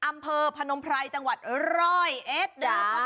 อำเภอพนมไพรจังหวัดร้อยเอด้า